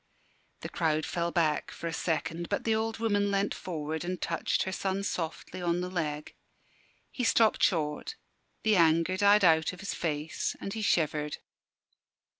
The crowd fell back for a second, but the old woman leant forward and touched her son softly on the leg. He stopped short: the anger died out of his face, and he shivered.